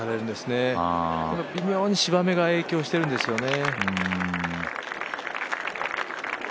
微妙に芝目が影響してるんですよね。